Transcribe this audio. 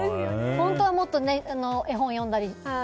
本当はもっと絵本を読んだりとか。